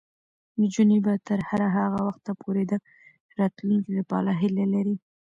نجونې به تر هغه وخته پورې د راتلونکي لپاره هیله لري.